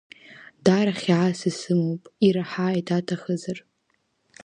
Даара хьаас исымоуп, ираҳааит аҭахызар…